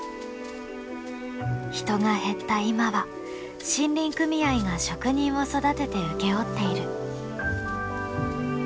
人が減った今は森林組合が職人を育てて請け負っている。